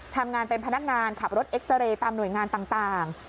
ทำงานเป็นพนักงานขับรถเอ็กซาเรย์ตามหน่วยงานต่าง